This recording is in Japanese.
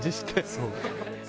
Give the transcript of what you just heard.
そう。